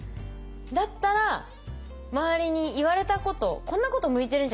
だったら周りに言われたこと「こんなこと向いてるんじゃない？